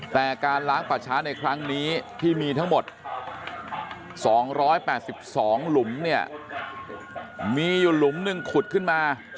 แต่การล้างป่าช้าในครั้งนี้ที่มีทั้งหมด๒๘๒หลุมเนี่ยมีอยู่หลุมหนึ่งขุดขึ้นมา